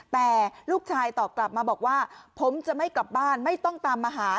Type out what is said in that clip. แต่ลูกชายตอบกลับมาบอกว่าผมจะไม่กลับบ้านไม่ต้องตามมาหา